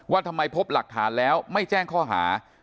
ทำไมพบหลักฐานแล้วไม่แจ้งข้อหา